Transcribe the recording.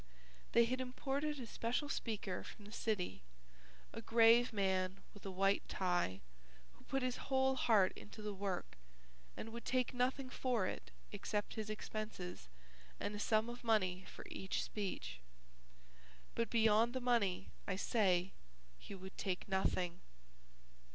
They had imported a special speaker from the city, a grave man with a white tie, who put his whole heart into the work and would take nothing for it except his expenses and a sum of money for each speech. But beyond the money, I say, he would take nothing.